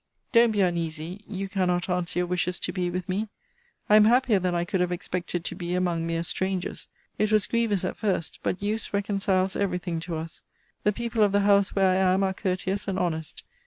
Don't be uneasy, you cannot answer your wishes to be with me. I am happier than I could have expected to be among mere strangers. It was grievous at first; but use reconciles every thing to us. The people of the house where I am are courteous and honest.